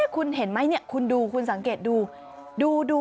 คุณเห็นไหมคุณดูคุณสังเกตดูดู